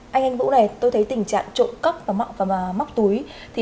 anh anh vũ này tôi thấy tình trạng trộn cấp và móc túi